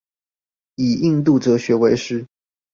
以印度哲學為師